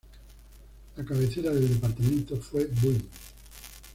La cabecera del departamento fue Buin.